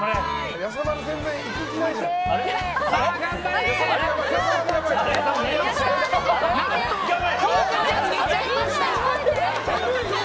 やさまる全然行く気ないじゃん。